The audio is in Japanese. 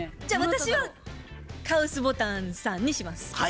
じゃあ私はカウス・ボタンさんにします。